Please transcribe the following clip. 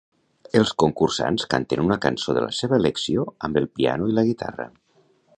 Els concursants canten una cançó de la seva elecció amb el piano i la guitarra.